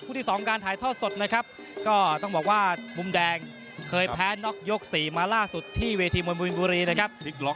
ที่๒การถ่ายทอดสดนะครับก็ต้องบอกว่ามุมแดงเคยแพ้น็อกยก๔มาล่าสุดที่เวทีมวยบุรีนะครับ